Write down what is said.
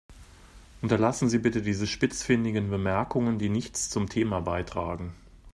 Unterlassen Sie bitte diese spitzfindigen Bemerkungen, die nichts zum Thema beitragen.